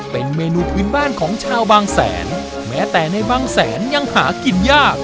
เป็นเมนูพื้นบ้านของชาวบางแสนแม้แต่ในบางแสนยังหากินยาก